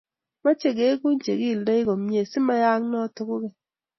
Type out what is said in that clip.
mache kegu che kildoi komie si mayaak nitok kogeny